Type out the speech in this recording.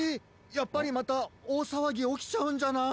やっぱりまたおおさわぎおきちゃうんじゃない？